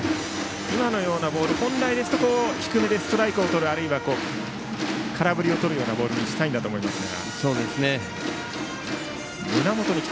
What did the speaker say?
今のようなボール本来ですと低めでストライクをとるあるいは空振りをとるボールにしたいんだと思いますが。